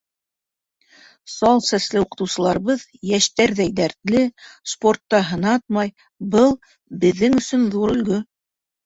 Сал сәсле уҡытыусыларыбыҙ йәштәрҙәй дәртле, спортта һынатмай, был — беҙҙең өсөн ҙур өлгө.